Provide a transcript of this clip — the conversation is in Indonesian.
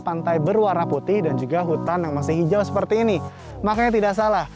pantai berwarna putih dan juga hutan yang masih hijau seperti ini makanya tidak salah